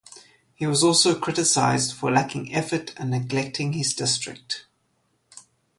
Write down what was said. He was also criticized for lacking effort and neglecting his district.